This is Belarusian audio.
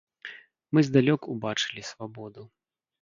Мы здалёк убачылі свабоду.